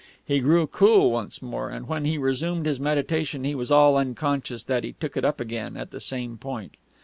He grew cool once more; and when he resumed his meditation he was all unconscious that he took it up again at the same point....